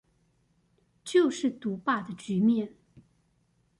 就是獨霸的局面